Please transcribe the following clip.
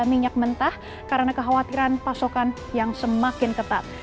minyak mentah karena kekhawatiran pasokan yang semakin ketat